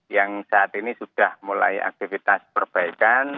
yang saat ini sudah mulai aktivitas perbaikan